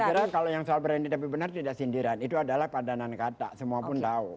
saya kira kalau yang soal berani tapi benar tidak sindiran itu adalah padanan kata semua pun tahu